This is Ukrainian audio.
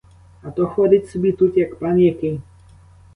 А то ходить собі тут, як пан який!